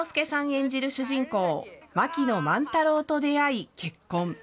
演じる主人公、槙野万太郎と出会い、結婚。